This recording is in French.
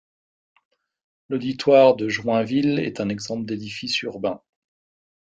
L'Auditoire de Joinville est un exemple d'édifice urbain.